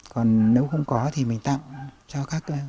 còn nếu không có thì mình tặng cho các cái bảo tàng